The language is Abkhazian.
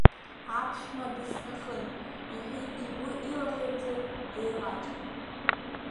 Аԥшәма дысҭахын, — иҳәеит игәи илаӷырӡи еилаҵәо.